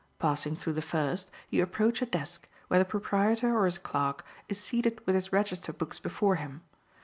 Passing through the first, you approach a desk, where the proprietor or his clerk is seated with his register books before him.